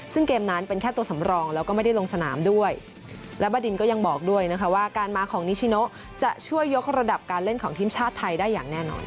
ซึ่งเกมนั้นเป็นแค่ตัวสำรองแล้วก็ไม่ได้ลงสนามด้วยและบดินก็ยังบอกด้วยนะคะว่าการมาของนิชิโนจะช่วยยกระดับการเล่นของทีมชาติไทยได้อย่างแน่นอน